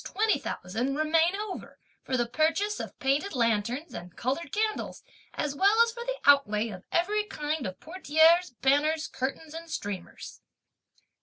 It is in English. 20,000 remain over, for the purchase of painted lanterns, and coloured candles, as well as for the outlay for every kind of portieres, banners, curtains and streamers."